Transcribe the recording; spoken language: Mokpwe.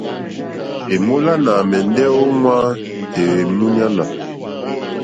Èmólánà àmɛ́ndɛ́ ō ŋwá èmúɲánà.